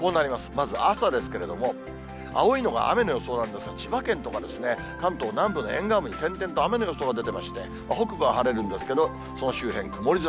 まず朝ですけれども、青いのが雨の予想なんですが、千葉県とかですね、関東南部の沿岸部に、点々と雨の予想が出てまして、北部は晴れるんですけど、その周辺、曇り空。